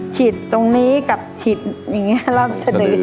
ฉีดตรงนี้กับฉีดอย่างเงี้ยรอบเฉดเลย